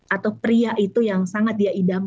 atau pria itu yang sangat dia idamkan